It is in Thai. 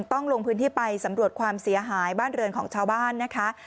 ต้องลงพื้นที่ไปสำรวจความเสียหายบ้านเรือนของชาวบ้านนะคะ